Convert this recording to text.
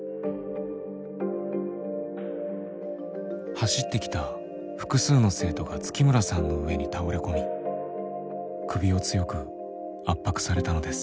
走ってきた複数の生徒が月村さんの上に倒れ込み首を強く圧迫されたのです。